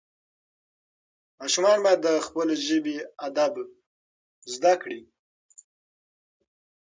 ماشومان باید د خپلې ژبې ادب زده کړي.